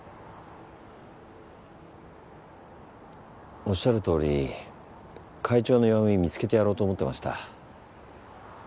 おっしゃるとおり会長の弱み見つけてやろうと思ってました。